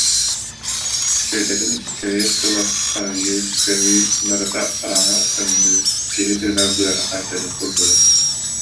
Сүөдэрин кэриэс тыла, харайыы, көмүү барыта хараҥа, тымныы, киһи тыына-быара хаайтарыах курдуга